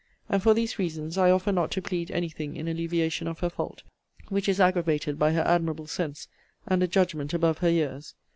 And, for these reasons, I offer not to plead any thing in alleviation of her fault, which is aggravated by her admirable sense, and a judgment above her years.